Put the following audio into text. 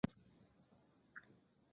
圣马尔蒂阿。